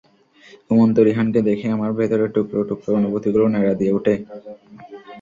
ঘুমন্ত রিহানকে দেখে আমার ভেতরের টুকরো টুকরো অনুভূতিগুলো নাড়া দিয়ে ওঠে।